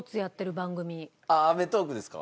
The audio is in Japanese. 『アメトーーク』ですか？